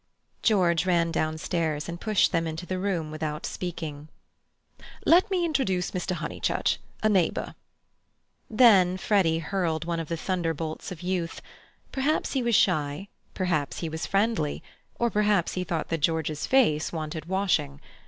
George ran down stairs and pushed them into the room without speaking. "Let me introduce Mr. Honeychurch, a neighbour." Then Freddy hurled one of the thunderbolts of youth. Perhaps he was shy, perhaps he was friendly, or perhaps he thought that George's face wanted washing.